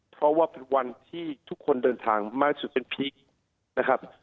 เพราะว่าเป็นวันที่ทุกคนเดินทางมากสุดเป็นพีคนะครับ